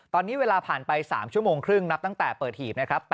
ตอนนี้เวลาผ่านไป๓ชั่วโมงครึ่งนับตั้งแต่เปิดหีบนะครับ